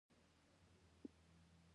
موږ د پوځي مرکزونو لپاره قواوې برابرې کړو.